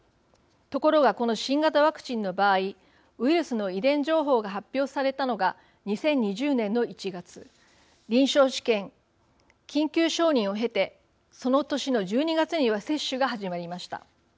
ところがこの新型ワクチンの場合ウイルスの遺伝情報が発表されたのが２０２０年の１月臨床試験、緊急承認を経てその年の１２月には接種が始まりました。